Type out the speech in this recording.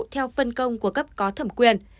theo phân công của cấp có thẩm quyền